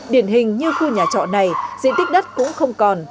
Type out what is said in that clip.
điển hình như khu nhà trọ này diện tích đất cũng không còn